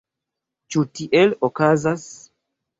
Ĉu tiel okazas?